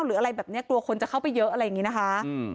หรืออะไรแบบนี้กลัวคนจะเข้าไปเยอะอะไรอย่างนี้นะคะ